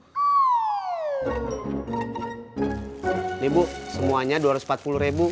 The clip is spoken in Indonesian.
ini bu semuanya rp dua ratus empat puluh